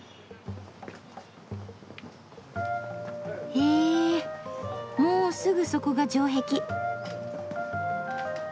へぇもうすぐそこが城壁。